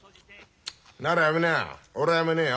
ならやめなよ。